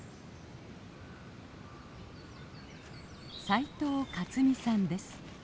斉藤勝弥さんです。